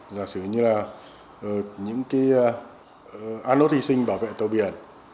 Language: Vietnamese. giả sử như là những cái alod hy sinh bảo vệ tàu biển